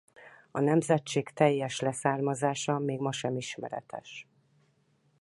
A nemzetség teljes leszármazása még ma sem ismeretes.